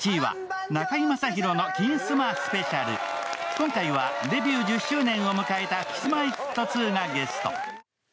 今回はデビュー１０周年を迎えたＫｉｓ−Ｍｙ−Ｆｔ２がゲスト。